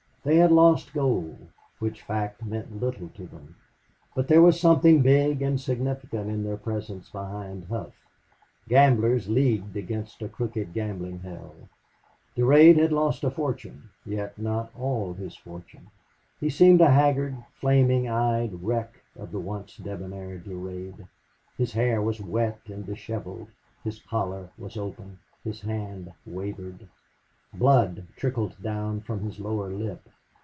They had lost gold, which fact meant little to them. But there was something big and significant in their presence behind Hough. Gamblers leagued against a crooked gambling hell! Durade had lost a fortune, yet not all his fortune. He seemed a haggard, flaming eyed wreck of the once debonair Durade. His hair was wet and dishevelled, his collar was open, his hand wavered. Blood trickled down from his lower lip.